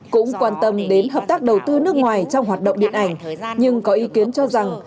cũng quan tâm đến hợp tác đầu tư nước ngoài trong hoạt động điện ảnh nhưng có ý kiến cho rằng